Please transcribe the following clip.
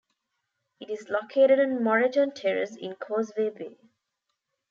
It is located on Moreton Terrace in Causeway Bay.